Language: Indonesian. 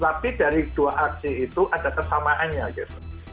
tapi dari dua aksi itu ada kesamaannya gitu